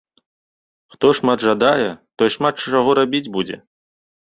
Хто шмат жадае, той шмат чаго рабіць будзе.